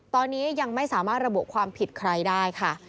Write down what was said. ตอนนี้ยังไม่สามารถระบุความผิดใครได้ค่ะ